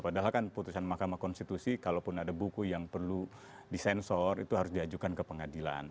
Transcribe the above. padahal kan putusan mahkamah konstitusi kalaupun ada buku yang perlu disensor itu harus diajukan ke pengadilan